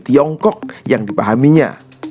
tiongkok yang dipahaminya